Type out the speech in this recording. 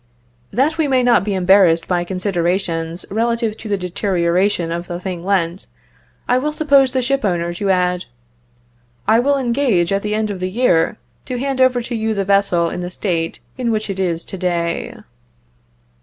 That we may not be embarrassed by considerations relative to the deterioration of the thing lent, I will suppose the ship owner to add, "I will engage, at the end of the year, to hand over to you the vessel in the state in which it is to day."